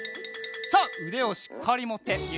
さあうでをしっかりもってゆれるよ。